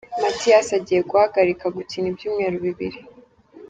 Matiyasi agiye guhagarika gukina ibyumweru bibiri